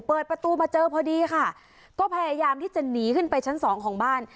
เปิดประตูมาเจอพอดีค่ะก็พยายามที่จะหนีขึ้นไปชั้นสองของบ้าน